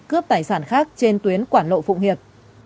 cướp tài sản khác trên tuyến quảng lộ phụng hiệp